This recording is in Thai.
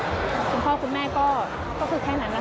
คุณพ่อคุณแม่ก็คือแค่นั้นนะคะ